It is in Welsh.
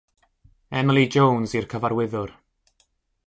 Emily Jones yw'r cyfarwyddwr.